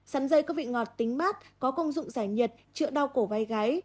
sắn dây có vị ngọt tính bát có công dụng giải nhiệt trựa đau cổ vai gái